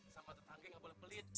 sama tetangga nggak boleh pelit